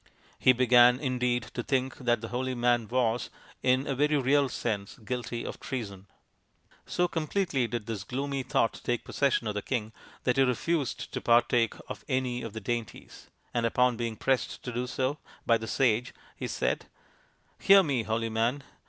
He began, indeed, to think that the holy man was, in a very real sense, guilty of treason. So completely did this gloomy thought take possession of the king, that he refused to partake of any of the dainties, and upon being pressed to do so by the sage, he said :" Hear me, holy man